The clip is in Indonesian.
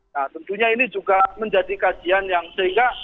nah tentunya ini juga menjadi kajian yang sehingga